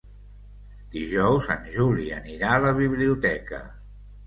Dijous en Juli anirà a la biblioteca.